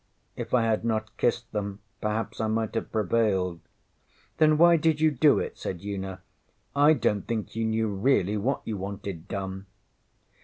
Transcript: If I had not kissed them perhaps I might have prevailed. ŌĆÖ ŌĆśThen why did you do it? ŌĆÖ said Una. ŌĆśI donŌĆÖt think you knew really what you wanted done.